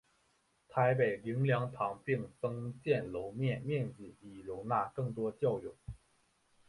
台北灵粮堂并增建楼面面积以容纳更多教友。